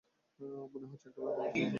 মনে হচ্ছে একটা ভয়াবহ বিপর্যয় এড়ানো গেছে।